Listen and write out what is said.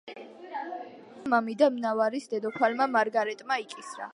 მადლენის აღზრდა მამიდამ, ნავარის დედოფალმა მარგარეტმა იკისრა.